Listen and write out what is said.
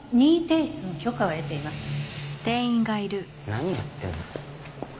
何やってんだ。